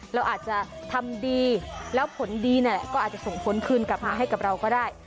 เราอาจจะทำดีแล้วผลดีนั่นแหละก็อาจจะส่งผลคืนกลับมาให้กับเราก็ได้